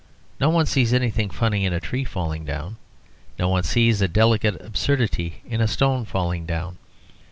No one sees anything funny in a tree falling down. No one sees a delicate absurdity in a stone falling down.